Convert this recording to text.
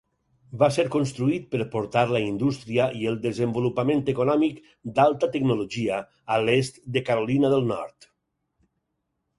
Va ser construït per portar la indústria i el desenvolupament econòmic d'alta tecnologia a l'est de Carolina del Nord.